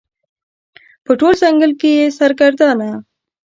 په ټول ځنګل کې یې سرګردانه